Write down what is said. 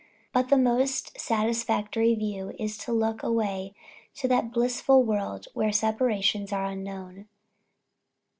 But the most satisfactory view is to look away to that blissful world, where separations are unknown.